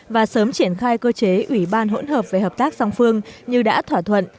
và sớm triển khai cơ chế ủy ban hỗn hợp về hợp tác song phương như đã thỏa thuận